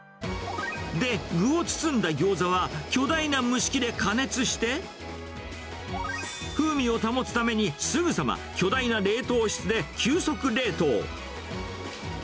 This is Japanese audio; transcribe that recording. で、具を包んだギョーザは、巨大な蒸し器で加熱して、風味を保つためにすぐさま、巨大な冷凍室で急速冷凍。